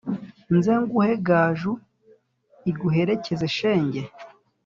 nze nguhe gaju iguherekeze shenge